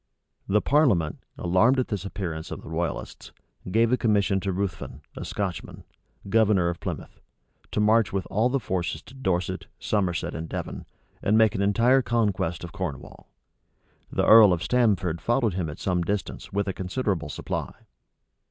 The parliament, alarmed at this appearance of the royalists, gave a commission to Ruthven, a Scotchman, governor of Plymouth, to march with all the forces to Dorset. Somerset, and Devon, and make an entire conquest of Cornwall. The earl of Stamford followed him at some distance With a considerable supply.